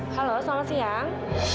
halo selamat siang